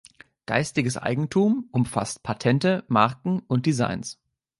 Geistiges Eigentum umfasst Patente, Marken und Designs